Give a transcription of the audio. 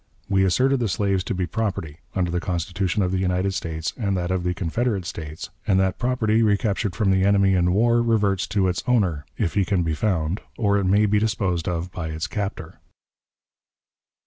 We asserted the slaves to be property, under the Constitution of the United States and that of the Confederate States, and that property recaptured from the enemy in war reverts to its owner, if he can be found, or it may be disposed of by its captor.